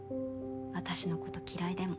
私のこと嫌いでも。